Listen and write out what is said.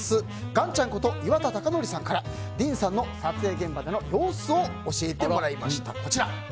岩ちゃんこと岩田剛典さんからディーンさんの撮影現場での様子を教えてもらいました。